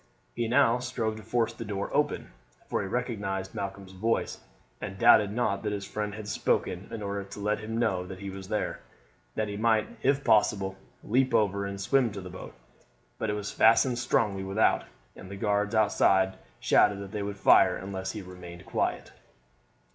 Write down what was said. He now strove to force the door open, for he recognized Malcolm's voice, and doubted not that his friend had spoken in order to let him know that he was there, that he might if possible leap over and swim to the boat; but it was fastened strongly without, and the guards outside shouted that they would fire unless he remained quiet.